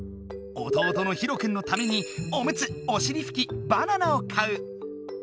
弟のひろくんのためにおむつおしりふきバナナを買う。